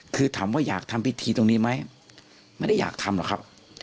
คือถามว่าอยากทำพิธีตรงนี้ไหมไม่ได้อยากทำหรอกครับ